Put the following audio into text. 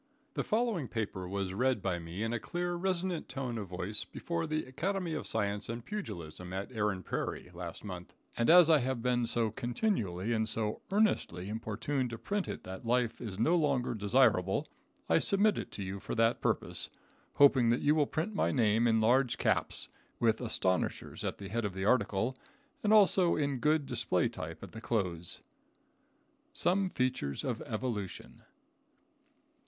The following paper was read by me in a clear, resonant tone of voice, before the Academy of Science and Pugilism at Erin Prairie, last month, and as I have been so continually and so earnestly importuned to print it that life was no longer desirable, I submit it to you for that purpose, hoping that you will print my name in large caps, with astonishers at the head of the article, and also in good display type at the close: Some Features Of Evolution.